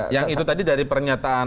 yang itu tadi dari pernyataan